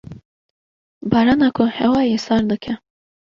barana ku hewayê sar dike.